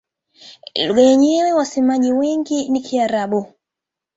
Lugha yenye wasemaji wengi ni Kiarabu.